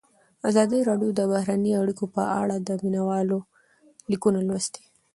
ازادي راډیو د بهرنۍ اړیکې په اړه د مینه والو لیکونه لوستي.